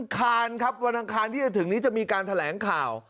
ทางนี้จะถึงนี้จะมีการแถลงข่าว